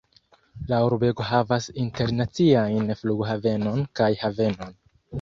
La urbego havas internaciajn flughavenon kaj havenon.